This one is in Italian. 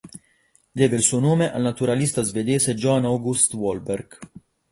Deve il suo nome al naturalista svedese Johan August Wahlberg.